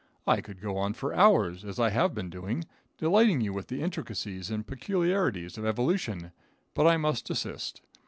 I could go on for hours as I have been doing, delighting you with the intricacies and peculiarities of evolution, but I must desist.